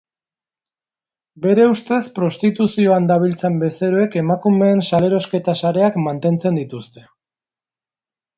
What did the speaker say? Bere ustez prostituzioan dabiltzan bezeroek emakumeen salerosketa sareak mantentzen dituzte.